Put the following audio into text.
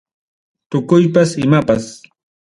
Tukuypas imapas.